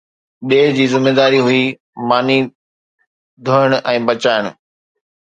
ٻئي جي ذميداري هئي ماني ڌوئڻ ۽ پچائڻ